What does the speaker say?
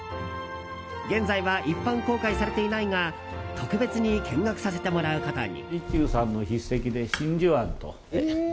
現在は一般公開されていないが特別に見学させてもらうことに。